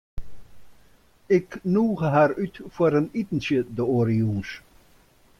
Ik nûge har út foar in itentsje de oare jûns.